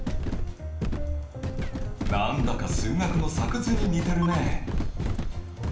何だか数学の作図に似てるね。